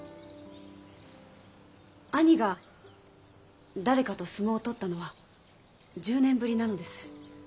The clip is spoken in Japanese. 兄が誰かと相撲を取ったのは１０年ぶりなのです。